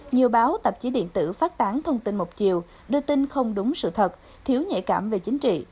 nhiều báo tạp chí điện tử phát tán thông tin một chiều đưa tin không đúng sự thật thiếu nhạy cảm về chính trị